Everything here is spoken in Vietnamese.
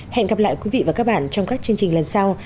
hẹn gặp lại quý vị và các bạn trong các chương trình lần sau